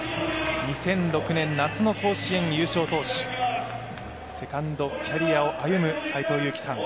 ２００６年夏の甲子園優勝投手セカンドキャリアを歩む斎藤佑樹さん